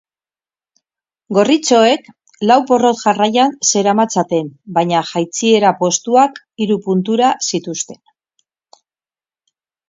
Gorritxoek lau porrot jarraian zeramatzaten, baina jaitsiera postuak hiru puntura zituzten.